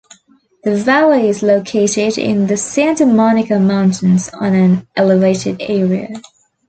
The valley is located in the Santa Monica Mountains on an elevated area.